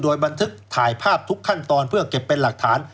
บันทึกถ่ายภาพทุกขั้นตอนเพื่อเก็บเป็นหลักฐาน